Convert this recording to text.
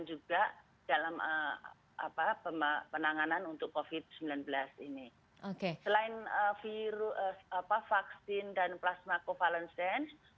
juga dalam penanganan untuk covid sembilan belas ini selain vaksin dan plasma covalescence